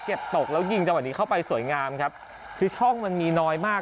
ตกแล้วยิงจังหวะนี้เข้าไปสวยงามครับคือช่องมันมีน้อยมาก